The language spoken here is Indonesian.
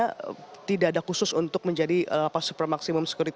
karena tidak ada khusus untuk menjadi super maksimum security